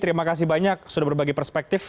terima kasih banyak sudah berbagi perspektif